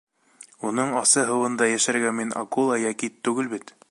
Уның асы һыуында йәшәргә мин акула йә кит түгел бит.